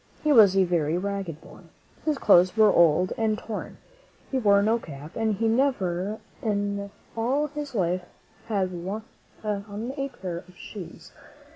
He was a very ragged boy. His clothes were old and torn; he wore no cap, and he had never in all his life had on a pair of shoes.